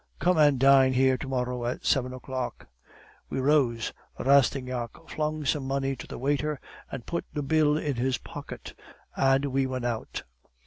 Come and dine here to morrow at seven o'clock.' "We rose. Rastignac flung some money to the waiter, put the bill in his pocket, and we went out.